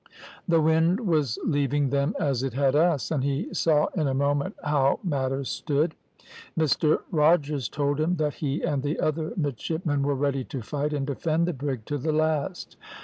"The wind was leaving them as it had us, and he saw in a moment how matters stood. "Mr Rogers told him that he and the other midshipmen were ready to fight and defend the brig to the last.